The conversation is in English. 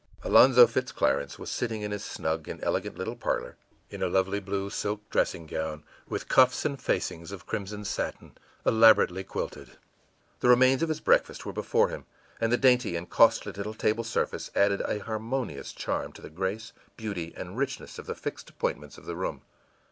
Alonzo Fitz Clarence was sitting in his snug and elegant little parlor, in a lovely blue silk dressing gown, with cuffs and facings of crimson satin, elaborately quilted. The remains of his breakfast were before him, and the dainty and costly little table service added a harmonious charm to the grace, beauty, and richness of the fixed appointments of the room.